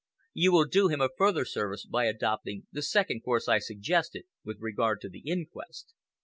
You will do him a further service by adopting the second course I suggested with regard to the inquest.